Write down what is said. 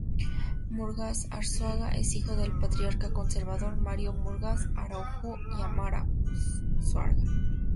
Murgas Arzuaga es hijo del patriarca Conservador, Mario Murgas Araújo y Amira Arzuaga.